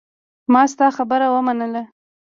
ما ستا خبره ومنله.